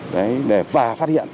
đấy và phát hiện